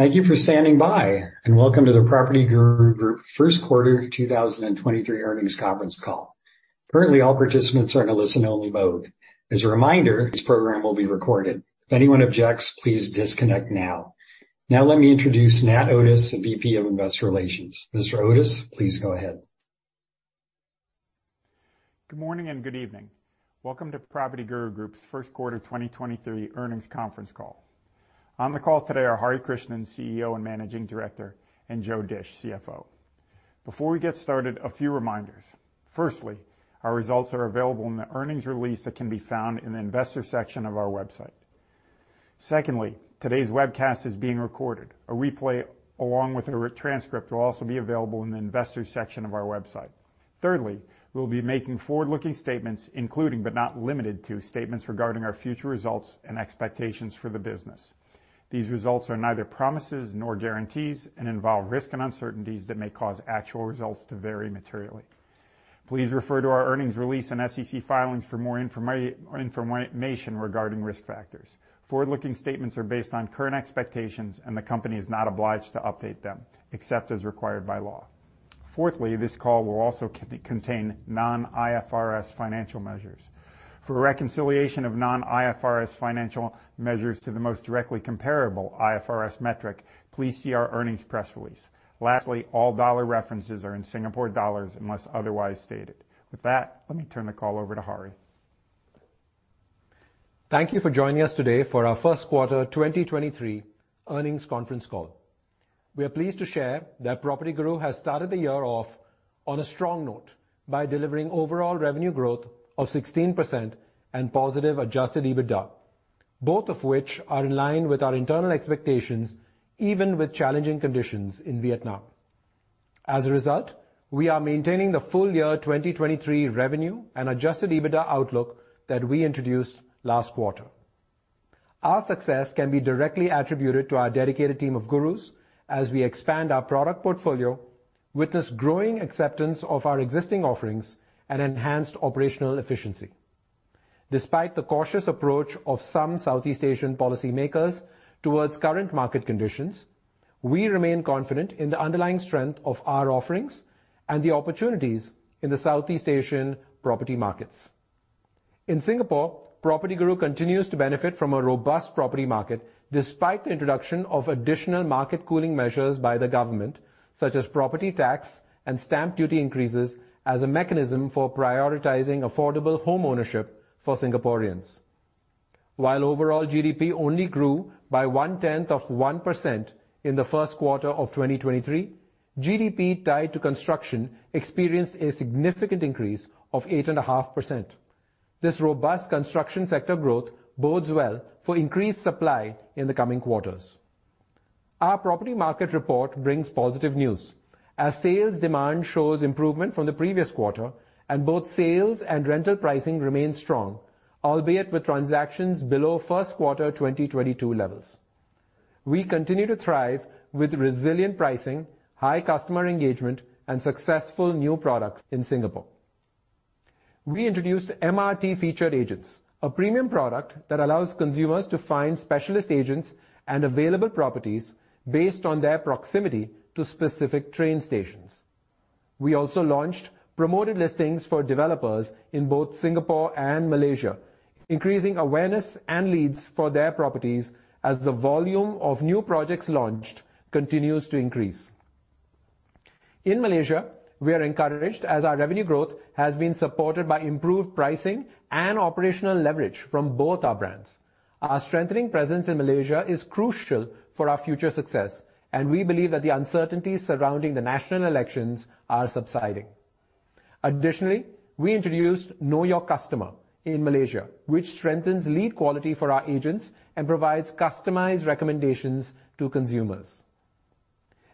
Thank you for standing by. Welcome to the PropertyGuru Group first quarter 2023 earnings conference call. Currently, all participants are in a listen only mode. As a reminder, this program will be recorded. If anyone objects, please disconnect now. Let me introduce Nat Otis, the VP of Investor Relations. Mr. Otis, please go ahead. Good morning and good evening. Welcome to PropertyGuru Group's first quarter 2023 earnings conference call. On the call today are Hari Krishnan, CEO and Managing Director, and Joe Dische, CFO. Before we get started, a few reminders. Firstly, our results are available in the earnings release that can be found in the investor section of our website. Secondly, today's webcast is being recorded. A replay along with a transcript will also be available in the investor section of our website. Thirdly, we'll be making forward-looking statements, including but not limited to, statements regarding our future results and expectations for the business. These results are neither promises nor guarantees and involve risk and uncertainties that may cause actual results to vary materially. Please refer to our earnings release and SEC filings for more information regarding risk factors. Forward-looking statements are based on current expectations and the company is not obliged to update them except as required by law. Fourthly, this call will also contain non-IFRS financial measures. For a reconciliation of non-IFRS financial measures to the most directly comparable IFRS metric, please see our earnings press release. Lastly, all dollar references are in Singapore dollars unless otherwise stated. With that, let me turn the call over to Hari. Thank you for joining us today for our first quarter 2023 earnings conference call. We are pleased to share that PropertyGuru has started the year off on a strong note by delivering overall revenue growth of 16% and positive Adjusted EBITDA, both of which are in line with our internal expectations, even with challenging conditions in Vietnam. As a result, we are maintaining the full year 2023 revenue and Adjusted EBITDA outlook that we introduced last quarter. Our success can be directly attributed to our dedicated team of gurus as we expand our product portfolio, witness growing acceptance of our existing offerings and enhanced operational efficiency. Despite the cautious approach of some Southeast Asian policymakers towards current market conditions, we remain confident in the underlying strength of our offerings and the opportunities in the Southeast Asian property markets. In Singapore, PropertyGuru continues to benefit from a robust property market despite the introduction of additional market cooling measures by the government, such as property tax and stamp duty increases as a mechanism for prioritizing affordable home ownership for Singaporeans. While overall GDP only grew by 0.1% in the 1st quarter of 2023, GDP tied to construction experienced a significant increase of 8.5%. This robust construction sector growth bodes well for increased supply in the coming quarters. Our property market report brings positive news as sales demand shows improvement from the previous quarter and both sales and rental pricing remain strong, albeit with transactions below 1st quarter 2022 levels. We continue to thrive with resilient pricing, high customer engagement and successful new products in Singapore. We introduced MRT Featured Agents, a premium product that allows consumers to find specialist agents and available properties based on their proximity to specific train stations. We also launched Promoted Listings for developers in both Singapore and Malaysia, increasing awareness and leads for their properties as the volume of new projects launched continues to increase. In Malaysia, we are encouraged as our revenue growth has been supported by improved pricing and operational leverage from both our brands. Our strengthening presence in Malaysia is crucial for our future success. We believe that the uncertainties surrounding the national elections are subsiding. Additionally, we introduced Know Your Customer in Malaysia, which strengthens lead quality for our agents and provides customized recommendations to consumers.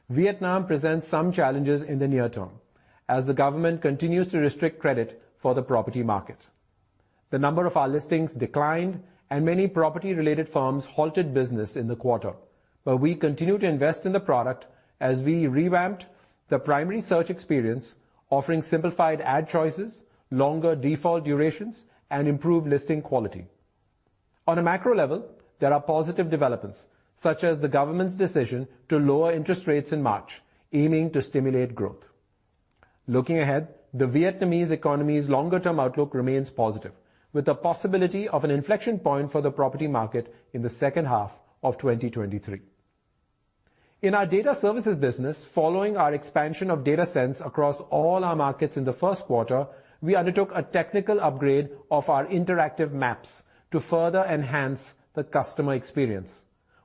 Vietnam presents some challenges in the near term as the government continues to restrict credit for the property market. The number of our listings declined. Many property related firms halted business in the quarter. We continue to invest in the product as we revamped the primary search experience, offering simplified ad choices, longer default durations, and improved listing quality. On a macro level, there are positive developments, such as the government's decision to lower interest rates in March, aiming to stimulate growth. Looking ahead, the Vietnamese economy's longer term outlook remains positive, with the possibility of an inflection point for the property market in the second half of 2023. In our Data Services business, following our expansion of DataSense across all our markets in the first quarter, we undertook a technical upgrade of our interactive maps to further enhance the customer experience.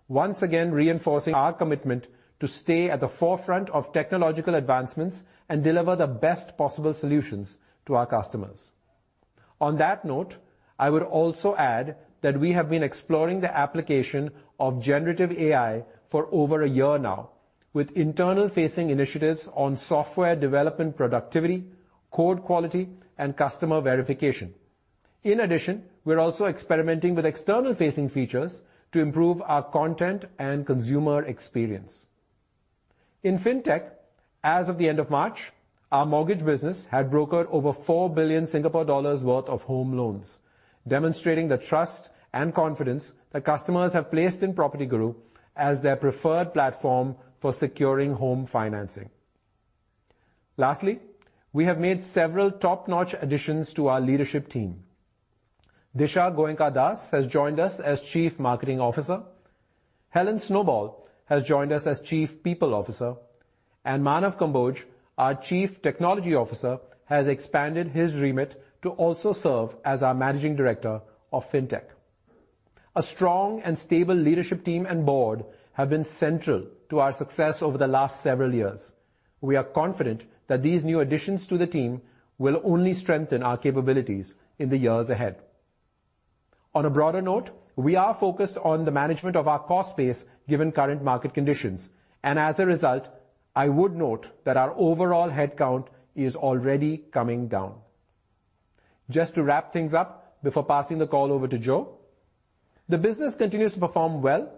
Once again, reinforcing our commitment to stay at the forefront of technological advancements and deliver the best possible solutions to our customers. On that note, I would also add that we have been exploring the application of generative AI for over a year now with internal facing initiatives on software development, productivity, code quality and customer verification. In addition, we are also experimenting with external facing features to improve our content and consumer experience. In Fintech, as of the end of March, our mortgage business had brokered over 4 billion Singapore dollars worth of home loans, demonstrating the trust and confidence that customers have placed in PropertyGuru as their preferred platform for securing home financing. Lastly, we have made several top-notch additions to our leadership team. Disha Goenka Das has joined us as Chief Marketing Officer. Helen Snowball has joined us as Chief People Officer. Manav Kamboj, our Chief Technology Officer, has expanded his remit to also serve as our Managing Director of Fintech. A strong and stable leadership team and board have been central to our success over the last several years. We are confident that these new additions to the team will only strengthen our capabilities in the years ahead. On a broader note, we are focused on the management of our cost base given current market conditions, and as a result, I would note that our overall headcount is already coming down. Just to wrap things up before passing the call over to Joe, the business continues to perform well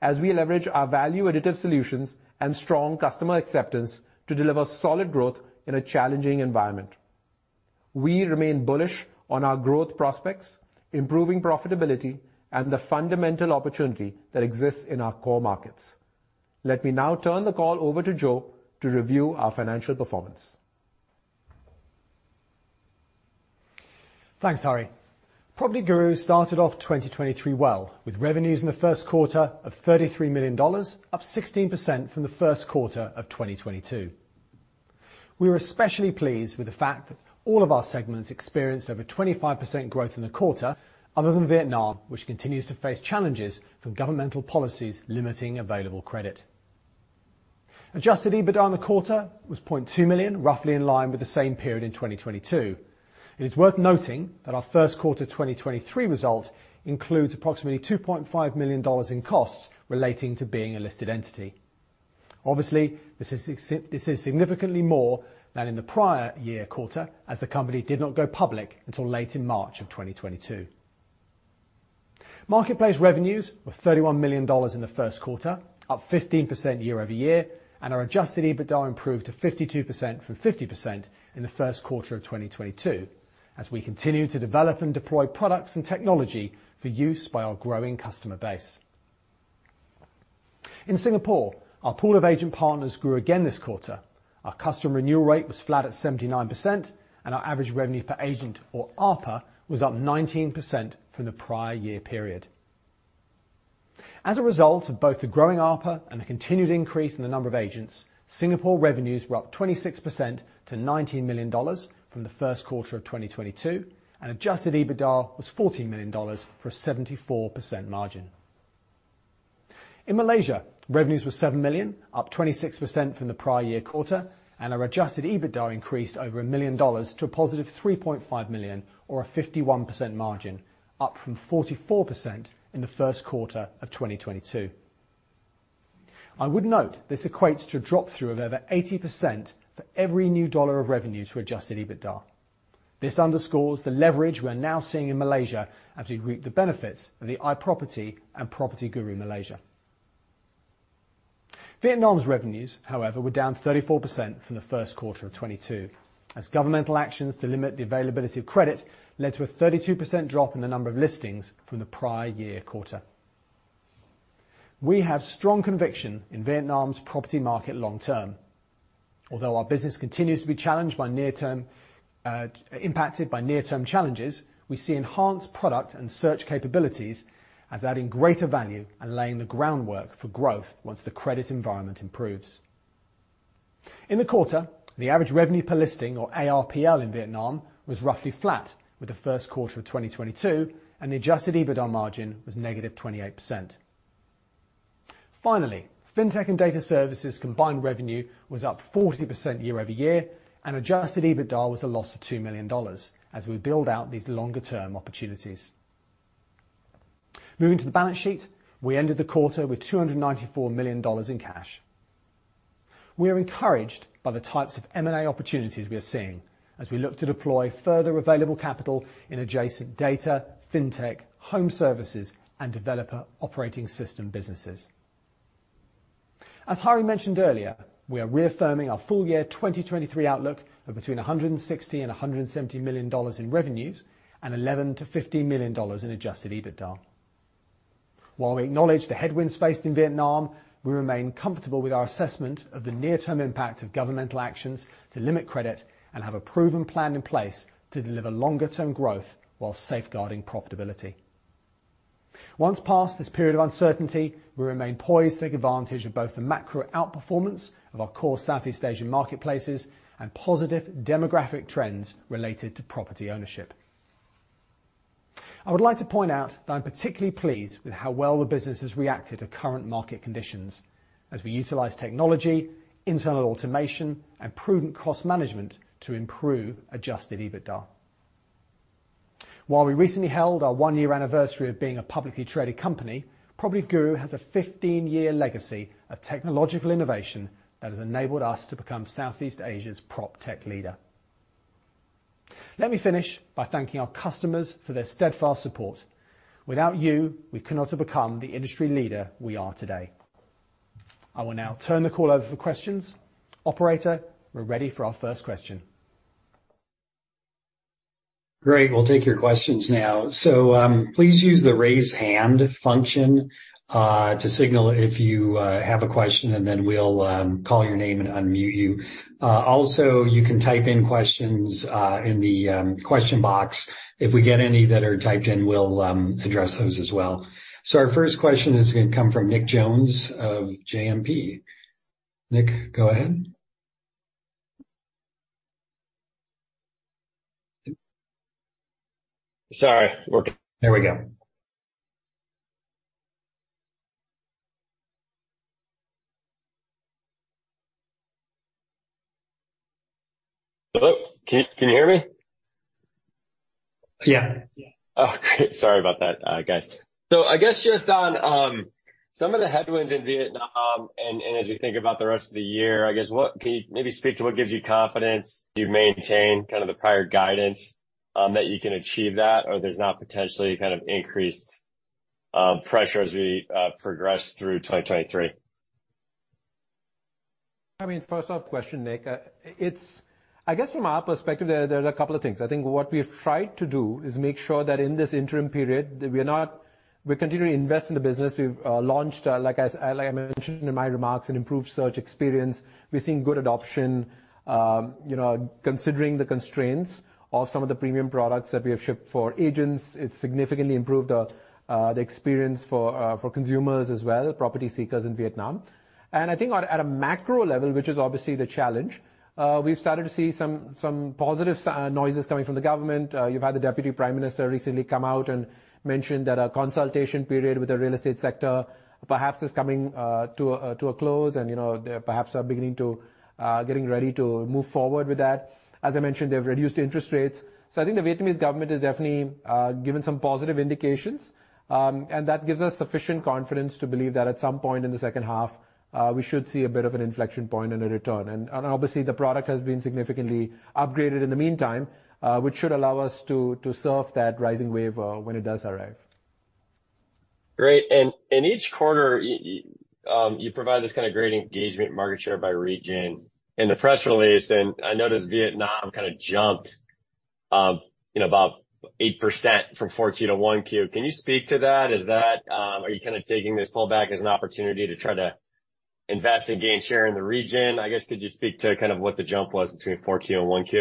as we leverage our value-additive solutions and strong customer acceptance to deliver solid growth in a challenging environment. We remain bullish on our growth prospects, improving profitability, and the fundamental opportunity that exists in our core markets. Let me now turn the call over to Joe to review our financial performance. Thanks, Hari Krishnan. PropertyGuru started off 2023 well, with revenues in the first quarter of 33 million dollars, up 16% from the first quarter of 2022. We are especially pleased with the fact that all of our segments experienced over 25% growth in the quarter, other than Vietnam, which continues to face challenges from governmental policies limiting available credit. Adjusted EBITDA in the quarter was 0.2 million, roughly in line with the same period in 2022. It is worth noting that our first quarter 2023 result includes approximately 2.5 million dollars in costs relating to being a listed entity. Obviously, this is significantly more than in the prior year quarter, as the company did not go public until late in March of 2022. Marketplace revenues were 31 million dollars in the first quarter, up 15% year-over-year, and our Adjusted EBITDA improved to 52% from 50% in the first quarter of 2022 as we continue to develop and deploy products and technology for use by our growing customer base. In Singapore, our pool of agent partners grew again this quarter, our customer renewal rate was flat at 79% and our average revenue per agent or ARPA was up 19% from the prior year period. As a result of both the growing ARPA and the continued increase in the number of agents, Singapore revenues were up 26% to 19 million dollars from the first quarter of 2022, and Adjusted EBITDA was 14 million dollars for a 74% margin. In Malaysia, revenues were 7 million, up 26% from the prior year quarter, and our Adjusted EBITDA increased over 1 million dollars to a positive 3.5 million or a 51% margin, up from 44% in the first quarter of 2022. I would note this equates to a drop through of over 80% for every new SGD 1 of revenue to Adjusted EBITDA. This underscores the leverage we are now seeing in Malaysia as we reap the benefits of the iProperty and PropertyGuru Malaysia. Vietnam's revenues, however, were down 34% from the first quarter of 2022, as governmental actions to limit the availability of credit led to a 32% drop in the number of listings from the prior year quarter. We have strong conviction in Vietnam's property market long term. Although our business continues to be impacted by near-term challenges, we see enhanced product and search capabilities as adding greater value and laying the groundwork for growth once the credit environment improves. In the quarter, the average revenue per listing, or ARPL in Vietnam, was roughly flat with the first quarter of 2022, and the Adjusted EBITDA margin was negative 28%. Finally, Fintech and Data Services combined revenue was up 40% year-over-year, and Adjusted EBITDA was a loss of 2 million dollars as we build out these longer term opportunities. Moving to the balance sheet, we ended the quarter with 294 million dollars in cash. We are encouraged by the types of M&A opportunities we are seeing as we look to deploy further available capital in Adjacent Data, Fintech, Home Services, and Developer Operating System businesses. As Hari mentioned earlier, we are reaffirming our full year 2023 outlook of between 160 million and 170 million dollars in revenues and 11 million-15 million dollars in Adjusted EBITDA. While we acknowledge the headwinds faced in Vietnam, we remain comfortable with our assessment of the near-term impact of governmental actions to limit credit and have a proven plan in place to deliver longer-term growth while safeguarding profitability. Once past this period of uncertainty, we remain poised to take advantage of both the macro outperformance of our core Southeast Asian marketplaces and positive demographic trends related to property ownership. I would like to point out that I'm particularly pleased with how well the business has reacted to current market conditions as we utilize technology, internal automation, and prudent cost management to improve Adjusted EBITDA. While we recently held our one-year anniversary of being a publicly traded company, PropertyGuru has a 15-year legacy of technological innovation that has enabled us to become Southeast Asia's PropTech leader. Let me finish by thanking our customers for their steadfast support. Without you, we could not have become the industry leader we are today. I will now turn the call over for questions. Operator, we're ready for our first question. Great. We'll take your questions now. Please use the Raise Hand function to signal if you have a question, and then we'll call your name and unmute you. Also, you can type in questions in the question box. If we get any that are typed in, we'll address those as well. Our first question is going to come from Nick Jones of JMP. Nick, go ahead. Sorry. There we go. Hello? Can you hear me? Yeah. Oh, great. Sorry about that, guys. I guess just on some of the headwinds in Vietnam and as we think about the rest of the year, can you maybe speak to what gives you confidence you've maintained kind of the prior guidance that you can achieve that or there's not potentially kind of increased pressure as we progress through 2023? I mean, first off question, Nick, I guess from our perspective, there are a couple of things. I think what we've tried to do is make sure that in this interim period that we're continuing to invest in the business. We've launched, like I mentioned in my remarks, an improved search experience. We're seeing good adoption, you know, considering the constraints of some of the premium products that we have shipped for agents. It's significantly improved the experience for consumers as well, property seekers in Vietnam. I think at a macro level, which is obviously the challenge, we've started to see some positive noises coming from the government. You've had the deputy Prime Minister recently come out and mention that a consultation period with the real estate sector perhaps is coming to a close and, you know, they perhaps are beginning to get ready to move forward with that. I mentioned, they've reduced interest rates. I think the Vietnamese government has definitely given some positive indications, and that gives us sufficient confidence to believe that at some point in the second half, we should see a bit of an inflection point and a return. Obviously, the product has been significantly upgraded in the meantime, which should allow us to surf that rising wave when it does arrive. Great. In each quarter, you provide this kinda great engagement market share by region. In the press release, I noticed Vietnam kinda jumped, you know, about 8% from 4Q to 1Q. Can you speak to that? Is that? Are you kinda taking this pullback as an opportunity to try to invest and gain share in the region? I guess, could you speak to kind of what the jump was between 4Q and 1Q?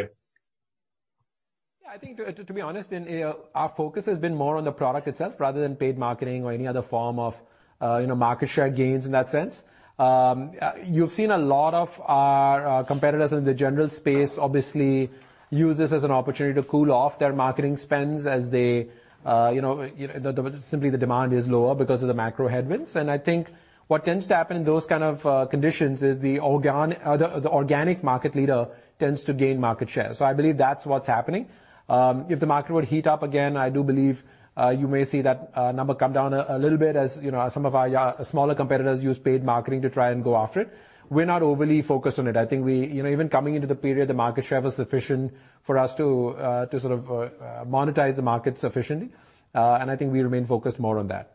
Yeah. I think to be honest, you know, our focus has been more on the product itself rather than paid marketing or any other form of, you know, market share gains in that sense. You've seen a lot of our competitors in the general space obviously use this as an opportunity to cool off their marketing spends as they, you know, the demand is lower because of the macro headwinds. I think what tends to happen in those kind of conditions is the organic market leader tends to gain market share. I believe that's what's happening. If the market would heat up again, I do believe, you may see that number come down a little bit as, you know, some of our smaller competitors use paid marketing to try and go after it. We're not overly focused on it. I think we. You know, even coming into the period, the market share was sufficient for us to sort of monetize the market sufficiently. I think we remain focused more on that.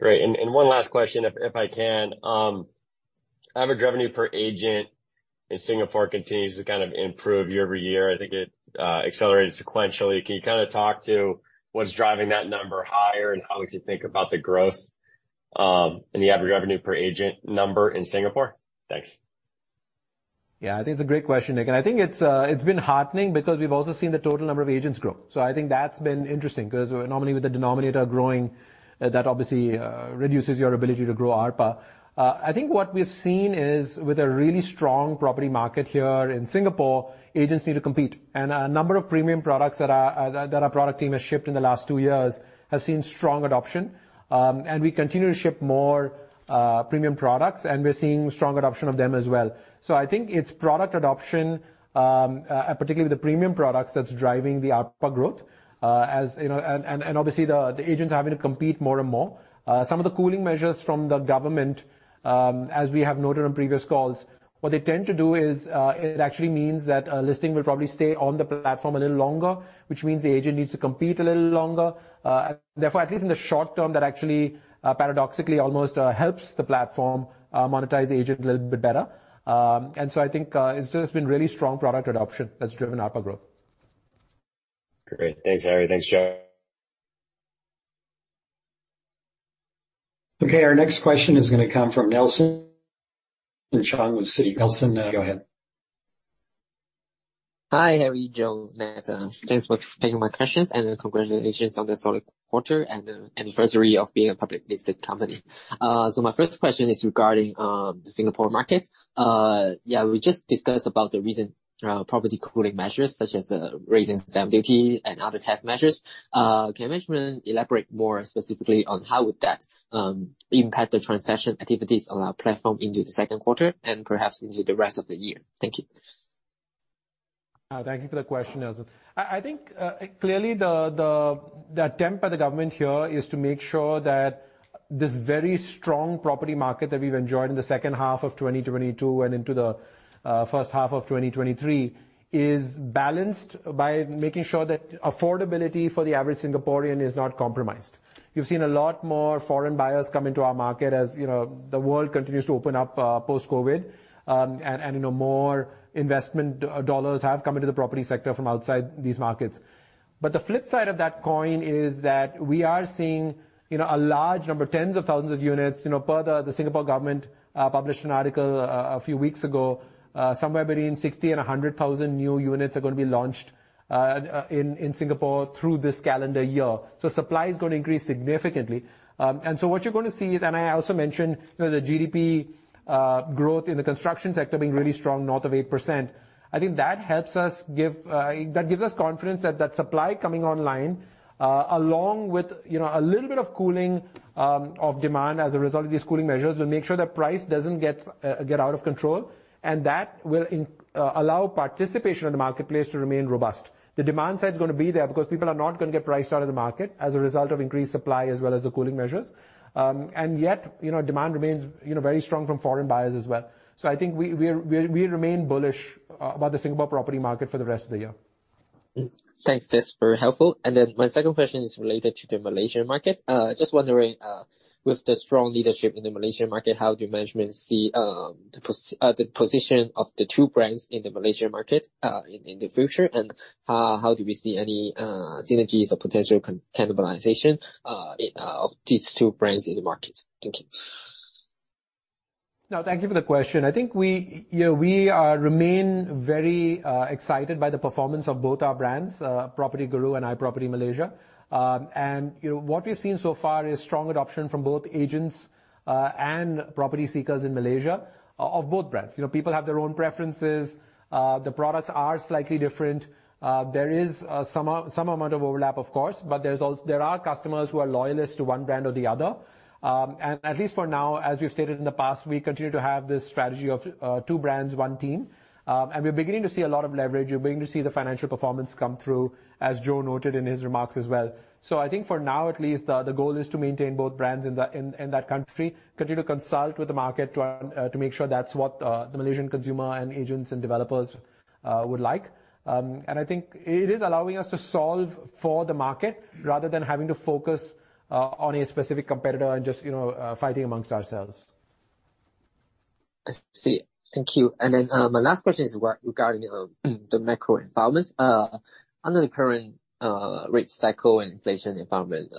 Great. One last question if I can. Average revenue per agent in Singapore continues to kind of improve year-over-year. I think it accelerated sequentially. Can you kinda talk to what's driving that number higher and how we should think about the growth in the average revenue per agent number in Singapore? Thanks. Yeah. I think it's a great question, Nick, and I think it's been heartening because we've also seen the total number of agents grow. I think that's been interesting 'cause normally with the denominator growing, that obviously reduces your ability to grow ARPA. I think what we've seen is with a really strong property market here in Singapore, agents need to compete. A number of premium products that our, that our product team has shipped in the last two years have seen strong adoption. We continue to ship more premium products, and we're seeing strong adoption of them as well. I think it's product adoption, particularly the premium products, that's driving the ARPA growth. As, you know, and obviously the agents are having to compete more and more. Some of the cooling measures from the government, as we have noted on previous calls, what they tend to do is, it actually means that a listing will probably stay on the platform a little longer, which means the agent needs to compete a little longer. Therefore, at least in the short term, that actually, paradoxically almost, helps the platform, monetize the agent a little bit better. I think, it's just been really strong product adoption that's driven ARPA growth. Great. Thanks, Hari. Thanks, Joe. Okay, our next question is going to come from Nelson Cheung with Citi. Nelson, go ahead. Hi, Hari, Joe, Nat. Thanks for taking my questions, and congratulations on the solid quarter and the anniversary of being a public-listed company. My first question is regarding the Singapore market. Yeah, we just discussed about the recent property cooling measures, such as raising stamp duty and other tax measures. Can management elaborate more specifically on how would that impact the transaction activities on our platform into the second quarter and perhaps into the rest of the year? Thank you. Thank you for the question, Nelson. I think, clearly the attempt by the government here is to make sure that this very strong property market that we've enjoyed in the second half of 2022 and into the first half of 2023 is balanced by making sure that affordability for the average Singaporean is not compromised. You've seen a lot more foreign buyers come into our market as, you know, the world continues to open up post-COVID. And, you know, more investment dollars have come into the property sector from outside these markets. The flip side of that coin is that we are seeing, you know, a large number, tens of thousands of units. You know, per the Singapore government published an article a few weeks ago. Somewhere between 60,000 and 100,000 new units are gonna be launched in Singapore through this calendar year. Supply is gonna increase significantly. What you're gonna see is, and I also mentioned, you know, the GDP growth in the construction sector being really strong, north of 8%. I think that helps us give. That gives us confidence that that supply coming online, along with, you know, a little bit of cooling of demand as a result of these cooling measures, will make sure that price doesn't get out of control. That will allow participation in the marketplace to remain robust. The demand side's gonna be there because people are not gonna get priced out of the market as a result of increased supply as well as the cooling measures. Yet, you know, demand remains, you know, very strong from foreign buyers as well. I think we remain bullish about the Singapore property market for the rest of the year. Thanks. That's very helpful. My second question is related to the Malaysian market. Just wondering, with the strong leadership in the Malaysian market, how do management see the position of the two brands in the Malaysian market in the future? How do we see any synergies or potential cannibalization of these two brands in the market? Thank you. No, thank you for the question. I think we, you know, we are, remain very excited by the performance of both our brands, PropertyGuru and iProperty Malaysia. You know, what we've seen so far is strong adoption from both agents and property seekers in Malaysia of both brands. You know, people have their own preferences. The products are slightly different. There is some amount of overlap, of course, but there are customers who are loyalist to one brand or the other. At least for now, as we've stated in the past, we continue to have this strategy of two brands, one team. We're beginning to see a lot of leverage. We're beginning to see the financial performance come through, as Joe noted in his remarks as well. I think for now at least, the goal is to maintain both brands in that country, continue to consult with the market to make sure that's what the Malaysian consumer and agents and developers would like. I think it is allowing us to solve for the market rather than having to focus on a specific competitor and just, you know, fighting amongst ourselves. I see. Thank you. My last question is regarding the macro environment. Under the current rate cycle and inflation environment,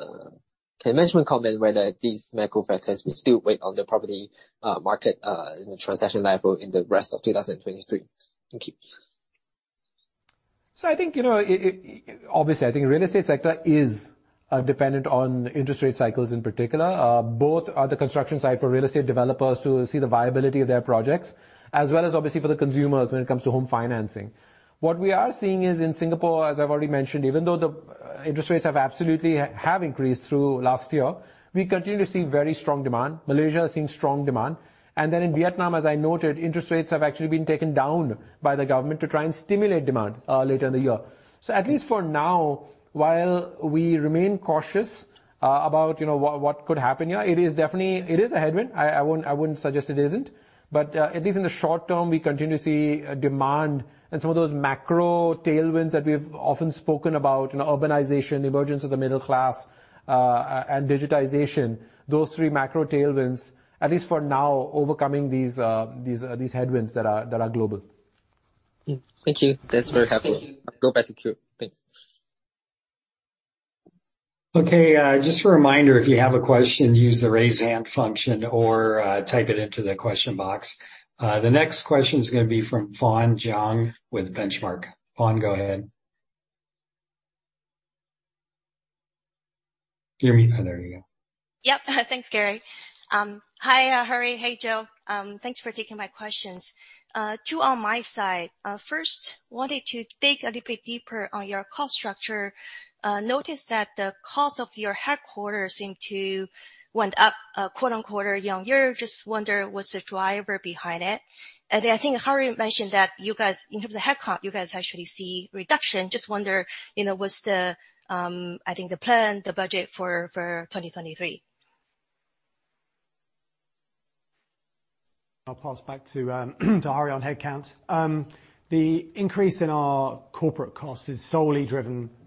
can management comment whether these macro factors will still weigh on the property market in the transaction level in the rest of 2023? Thank you. I think, you know, obviously, I think real estate sector is dependent on interest rate cycles in particular. Both the construction side for real estate developers to see the viability of their projects, as well as obviously for the consumers when it comes to home financing. What we are seeing is in Singapore, as I've already mentioned, even though the interest rates have absolutely have increased through last year, we continue to see very strong demand. Malaysia is seeing strong demand. In Vietnam, as I noted, interest rates have actually been taken down by the government to try and stimulate demand later in the year. At least for now, while we remain cautious about, you know, what could happen here, it is definitely. It is a headwind. I wouldn't suggest it isn't. At least in the short term, we continue to see demand and some of those macro tailwinds that we've often spoken about. You know, urbanization, emergence of the middle class, and digitization. Those three macro tailwinds, at least for now, overcoming these headwinds that are global. Thank you. That's very helpful. Thank you. I'll go back to queue. Thanks. Okay. Just a reminder, if you have a question, use the Raise Hand function or type it into the question box. The next question is gonna be from Fawne Jiang with Benchmark. Fawne, go ahead. You can hear me? Oh, there you go. Yep. Thanks, Gary. Hi, Hari. Hey, Joe. Thanks for taking my questions. Two on my side. First, wanted to dig a little bit deeper on your cost structure. Noticed that the cost of your headquarters seem to went up, quote, unquote, "year-over-year." Just wonder what's the driver behind it? I think Hari mentioned that you guys, in terms of headcount, you guys actually see reduction. Just wonder, you know, what's the, I think the plan, the budget for 2023? I'll pass back to Hari on headcount. The increase in our corporate cost is solely driven by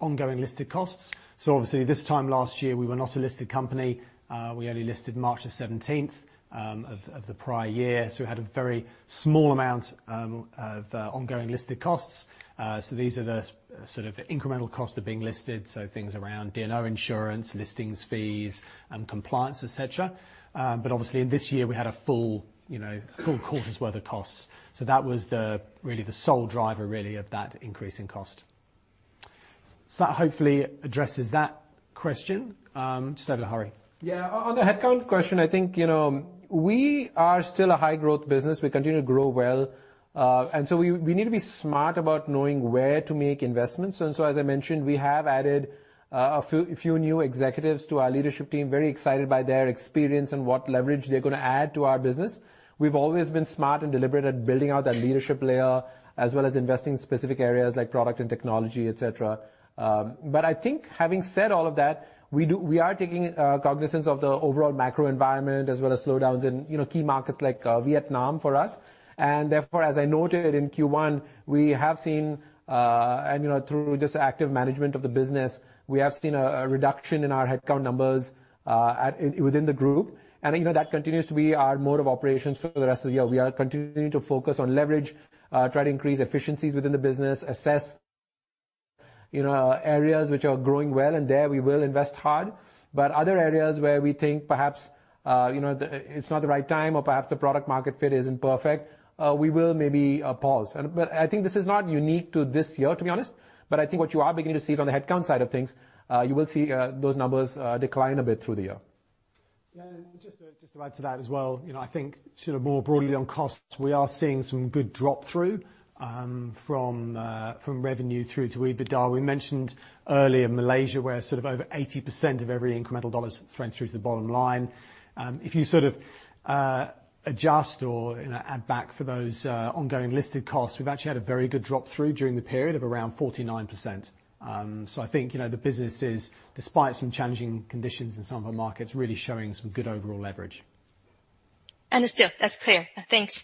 ongoing listed costs. Obviously this time last year we were not a listed company. We only listed March the 17th of the prior year. We had a very small amount of ongoing listed costs. These are the sort of incremental costs of being listed, so things around D&O insurance, listings fees, and compliance, et cetera. Obviously in this year we had a full, you know, full quarter's worth of costs. That was really the sole driver of that increase in cost. That hopefully addresses that question. Just over to Hari. Yeah. On the headcount question, I think, you know, we are still a high growth business. We continue to grow well. We need to be smart about knowing where to make investments. As I mentioned, we have added a few new executives to our leadership team. Very excited by their experience and what leverage they're gonna add to our business. We've always been smart and deliberate at building out that leadership layer, as well as investing in specific areas like product and technology, et cetera. I think having said all of that, we are taking cognizance of the overall macro environment, as well as slowdowns in, you know, key markets like Vietnam for us. Therefore, as I noted in Q1, we have seen, and, you know, through just active management of the business, we have seen a reduction in our headcount numbers within the group. I think that continues to be our mode of operations for the rest of the year. We are continuing to focus on leverage, try to increase efficiencies within the business, assess, you know, areas which are growing well, and there we will invest hard. Other areas where we think perhaps, you know, it's not the right time or perhaps the product market fit isn't perfect, we will maybe pause. I think this is not unique to this year, to be honest. I think what you are beginning to see is on the headcount side of things, you will see those numbers decline a bit through the year. Just to add to that as well, you know, I think sort of more broadly on costs, we are seeing some good drop through from revenue through to EBITDA. We mentioned earlier Malaysia, where sort of over 80% of every incremental dollar sort of trends through to the bottom line. If you sort of adjust or, you know, add back for those ongoing listed costs, we've actually had a very good drop through during the period of around 49%. So I think, you know, the business is, despite some challenging conditions in some of our markets, really showing some good overall leverage. Understood. That's clear. Thanks.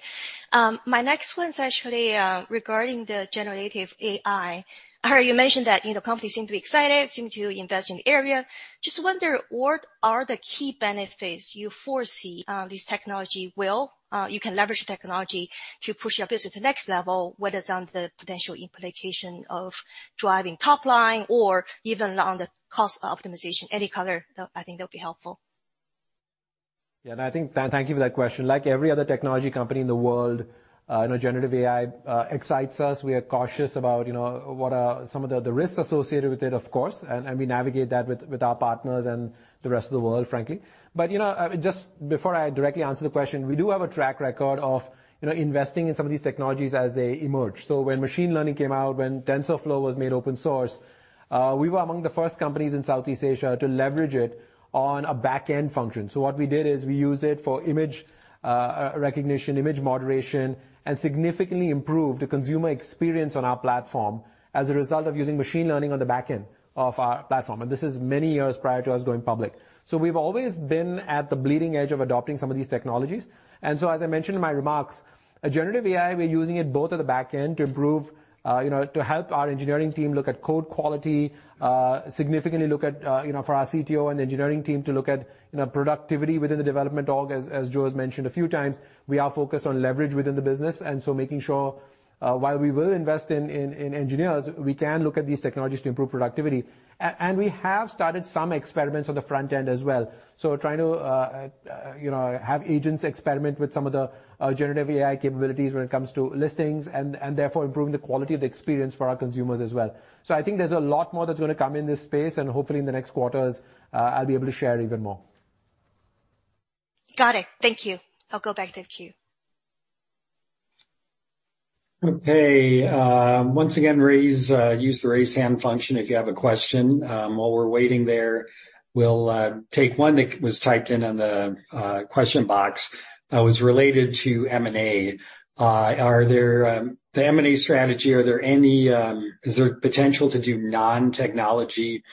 My next one's actually regarding the generative AI. I heard you mentioned that, you know, companies seem to be excited, seem to invest in the area. Just wonder what are the key benefits you foresee, this technology will, you can leverage the technology to push your business to the next level, whether it's on the potential implication of driving top line or even on the cost optimization. Any color, that, I think that'll be helpful. Yeah. Thank you for that question. Like every other technology company in the world, you know, generative AI excites us. We are cautious about, you know, what are some of the risks associated with it, of course, and we navigate that with our partners and the rest of the world, frankly. You know, just before I directly answer the question, we do have a track record of, you know, investing in some of these technologies as they emerge. When machine learning came out, when TensorFlow was made open source, we were among the first companies in Southeast Asia to leverage it on a back-end function. What we did is we used it for image recognition, image moderation, and significantly improved the consumer experience on our platform as a result of using machine learning on the back end of our platform. This is many years prior to us going public. We've always been at the bleeding edge of adopting some of these technologies. As I mentioned in my remarks, a generative AI, we're using it both at the back end to improve, you know, to help our engineering team look at code quality, significantly look at, you know, for our CTO and engineering team to look at, you know, productivity within the development org. As Joe's mentioned a few times, we are focused on leverage within the business, making sure, while we will invest in engineers, we can look at these technologies to improve productivity. We have started some experiments on the front end as well. Trying to, you know, have agents experiment with some of the generative AI capabilities when it comes to listings and therefore improving the quality of the experience for our consumers as well. I think there's a lot more that's gonna come in this space, and hopefully in the next quarters, I'll be able to share even more. Got it. Thank you. I'll go back to the queue. Okay. Once again, use the raise hand function if you have a question. While we're waiting there, we'll take one that was typed in on the question box that was related to M&A. Are there, the M&A strategy, are there any, is there potential to do non-technology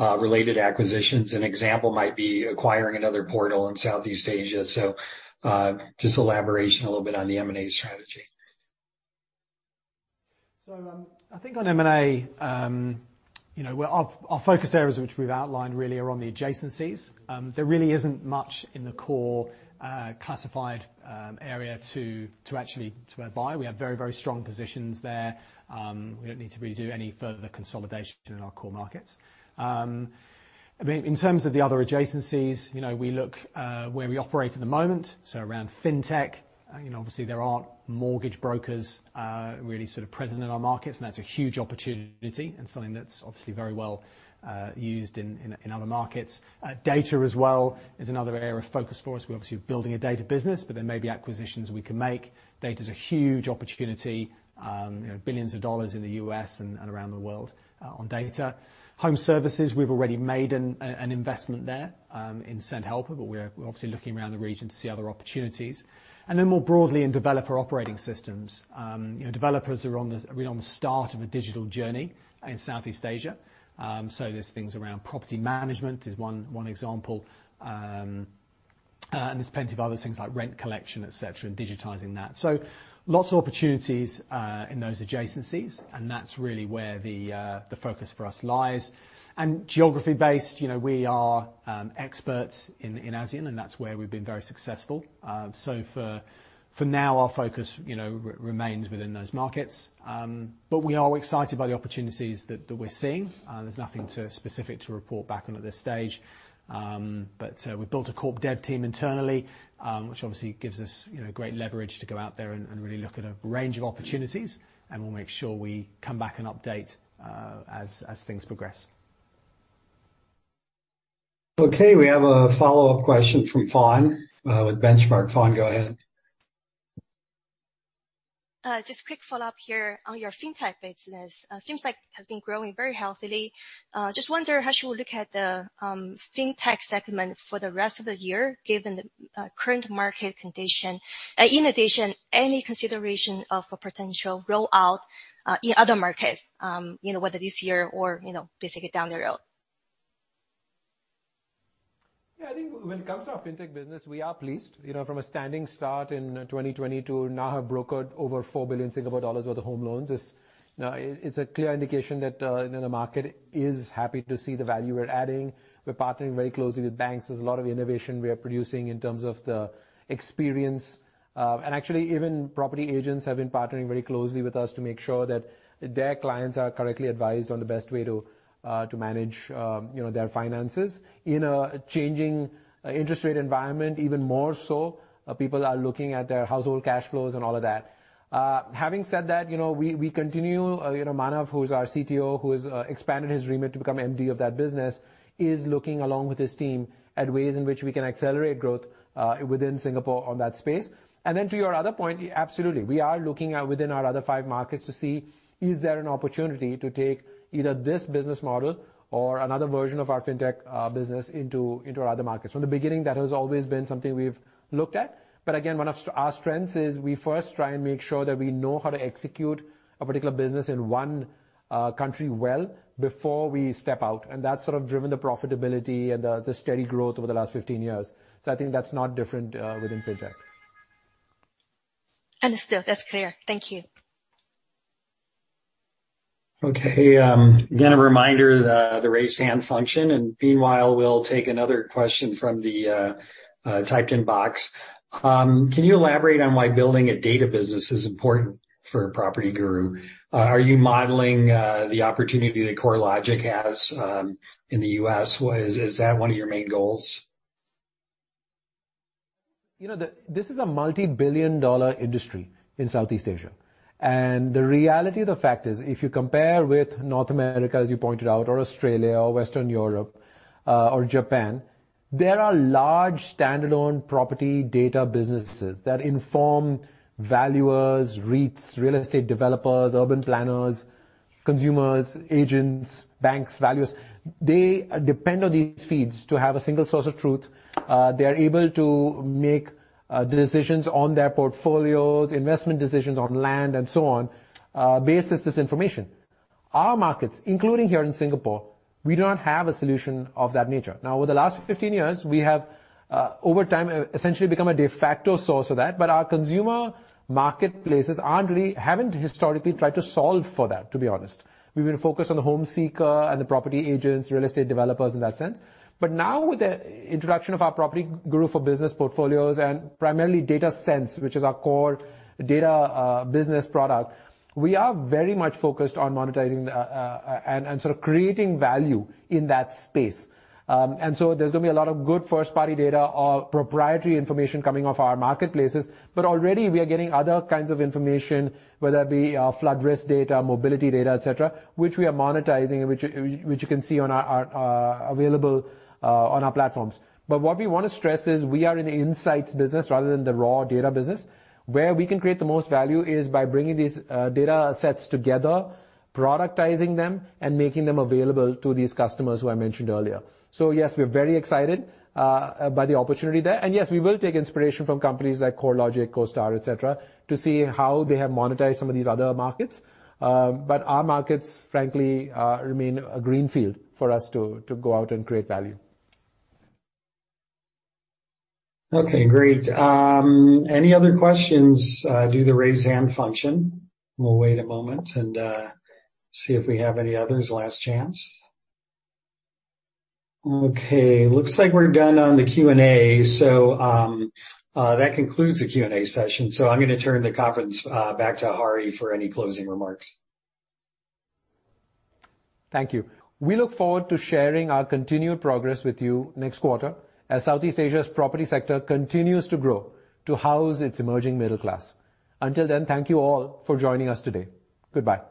related acquisitions? An example might be acquiring another portal in Southeast Asia. Just elaborate a little bit on the M&A strategy. I think on M&A, you know, our focus areas which we've outlined really are on the adjacencies. There really isn't much in the core classified area to actually acquire. We have very, very strong positions there. We don't need to really do any further consolidation in our core markets. I mean, in terms of the other adjacencies, you know, we look where we operate at the moment, so around Fintech. You know, obviously there aren't mortgage brokers really sort of present in our markets, and that's a huge opportunity and something that's obviously very well used in other markets. Data as well is another area of focus for us. We're obviously building a Data business, but there may be acquisitions we can make. Data's a huge opportunity, you know, billions of dollars in the U.S. and around the world on data. Home Services, we've already made an investment there in Sendhelper, but we're obviously looking around the region to see other opportunities. More broadly in Developer Operating Systems. You know, developers are really on the start of a digital journey in Southeast Asia. There's things around property management is one example. There's plenty of other things like rent collection, et cetera, and digitizing that. Lots of opportunities in those adjacencies, and that's really where the focus for us lies. Geography-based, you know, we are experts in ASEAN, and that's where we've been very successful. For now, our focus, you know, remains within those markets. We are excited by the opportunities that we're seeing. There's nothing to specific to report back on at this stage. We built a corp dev team internally, which obviously gives us, you know, great leverage to go out there and really look at a range of opportunities. We'll make sure we come back and update, as things progress. Okay, we have a follow-up question from Fawne, with Benchmark. Fawne, go ahead. Just quick follow-up here on your Fintech business. Seems like it has been growing very healthily. Just wonder how you look at the Fintech segment for the rest of the year, given the current market condition. In addition, any consideration of a potential rollout in other markets, you know, whether this year or, you know, basically down the road? When it comes to our Fintech business, we are pleased. You know, from a standing start in 2020 to now have brokered over 4 billion Singapore dollars worth of home loans is, it's a clear indication that, you know, the market is happy to see the value we're adding. We're partnering very closely with banks. There's a lot of innovation we are producing in terms of the experience. Actually even property agents have been partnering very closely with us to make sure that their clients are correctly advised on the best way to manage, you know, their finances. In a changing interest rate environment even more so people are looking at their household cash flows and all of that. Having said that, you know, we continue, you know, Manav, who's our CTO, who has expanded his remit to become MD of that business, is looking along with his team at ways in which we can accelerate growth within Singapore on that space. To your other point, absolutely. We are looking at within our other five markets to see is there an opportunity to take either this business model or another version of our Fintech business into our other markets. From the beginning, that has always been something we've looked at, but again, one of our strengths is we first try and make sure that we know how to execute a particular business in one country well before we step out. That's sort of driven the profitability and the steady growth over the last 15 years. I think that's not different within Fintech. Understood. That's clear. Thank you. Okay. again, a reminder of the raise hand function. Meanwhile, we'll take another question from the typed in box. Can you elaborate on why building a Data business is important for PropertyGuru? Are you modeling the opportunity that CoreLogic has in the U.S.? Is that one of your main goals? You know, This is a multi-billion-dollar industry in Southeast Asia. The reality of the fact is if you compare with North America, as you pointed out, or Australia or Western Europe, or Japan, there are large standalone property Data businesses that inform valuers, REITs, real estate developers, urban planners, consumers, agents, banks, valuers. They depend on these feeds to have a single source of truth. They are able to make decisions on their portfolios, investment decisions on land and so on, based as this information. Our markets, including here in Singapore, we do not have a solution of that nature. Over the last 15 years, we have over time essentially become a de facto source of that. Our consumer marketplaces haven't historically tried to solve for that, to be honest. We've been focused on the home seeker and the property agents, real estate developers in that sense. Now with the introduction of our PropertyGuru For Business portfolios and primarily DataSense, which is our core Data business product, we are very much focused on monetizing and sort of creating value in that space. There's gonna be a lot of good first party data or proprietary information coming off our marketplaces, but already we are getting other kinds of information, whether that be flood risk data, mobility data, et cetera, which we are monetizing and which you can see on our available on our platforms. What we wanna stress is we are in the insights business rather than the raw Data business. Where we can create the most value is by bringing these data sets together, productizing them, and making them available to these customers who I mentioned earlier. Yes, we are very excited by the opportunity there. Yes, we will take inspiration from companies like CoreLogic, CoStar, et cetera, to see how they have monetized some of these other markets. Our markets, frankly, remain a green field for us to go out and create value. Okay, great. Any other questions, do the raise hand function. We'll wait a moment and see if we have any others. Last chance. Okay. Looks like we're done on the Q&A. That concludes the Q&A session. I'm gonna turn the conference back to Hari for any closing remarks. Thank you. We look forward to sharing our continued progress with you next quarter as Southeast Asia's property sector continues to grow to house its emerging middle class. Until then, thank you all for joining us today. Goodbye.